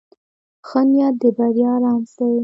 ښه نیت د بریا رمز دی.